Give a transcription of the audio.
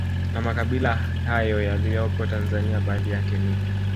Na makabila hayo yaliyopo Tanzania baadhi yake ni